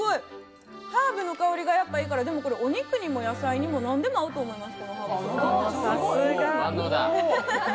ハーブの香りがやっぱりいいから、これ、お肉にも野菜も何でも合うと思います。